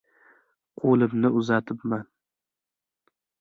Qo‘limni uzatibman.